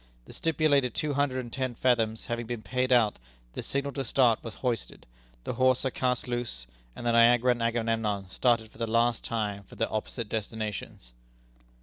The stipulated two hundred and ten fathoms having been paid out, the signal to start was hoisted, the hawser cast loose, and the Niagara and Agamemnon started for the last time for their opposite destinations."